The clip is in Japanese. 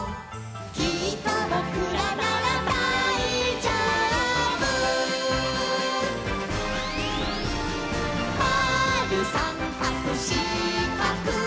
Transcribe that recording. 「きっとぼくらならだいじょうぶ」「まるさんかくしかく」